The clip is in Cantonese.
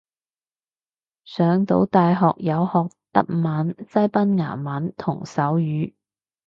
上到大學有學德文西班牙文同手語